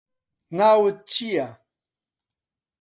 ناوت چییە؟